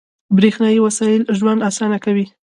• برېښنايي وسایل ژوند اسانه کوي.